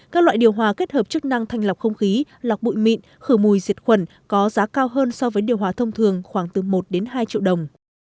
các loại điều hòa kết hợp chức năng thanh lọc không khí lọc bụi mịn khử mùi diệt khuẩn có giá cao hơn so với điều hòa thông thường khoảng từ một đến hai triệu đồng